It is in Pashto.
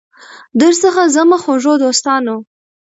درڅخه ځمه خوږو دوستانو